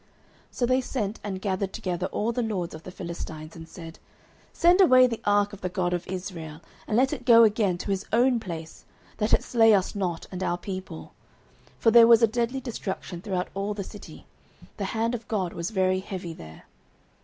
09:005:011 So they sent and gathered together all the lords of the Philistines, and said, Send away the ark of the God of Israel, and let it go again to his own place, that it slay us not, and our people: for there was a deadly destruction throughout all the city; the hand of God was very heavy there.